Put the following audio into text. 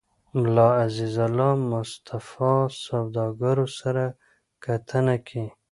ملا عزيزالله مصطفى سوداګرو سره کتنه کې